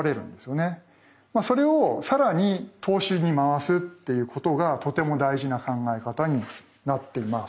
それをさらに投資に回すっていうことがとても大事な考え方になっています。